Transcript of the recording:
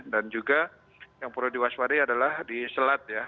dan juga yang perlu diwaspadi adalah di selat ya